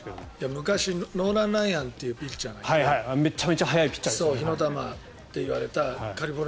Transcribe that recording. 昔ノーラン・ライアンっていうピッチャーがいてめちゃめちゃ速いピッチャーですよね。